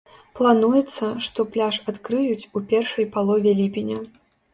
Плануецца, што пляж адкрыюць у першай палове ліпеня.